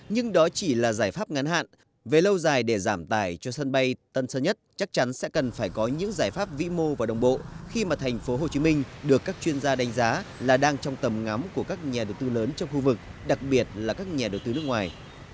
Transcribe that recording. nhưng đó chỉ là giải pháp ngắn hạn về lâu dài để giảm tải cho sân bay tân sơn nhất chắc chắn sẽ cần phải có những giải pháp vĩ mô và đồng bộ khi mà tp hcm được các chuyên gia đánh giá là đang trong tầm ngắm của các nhà đầu tư lớn trong khu vực đặc biệt là các nhà đầu tư nước ngoài